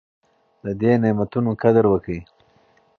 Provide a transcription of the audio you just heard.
د دې نعمتونو قدر وکړئ.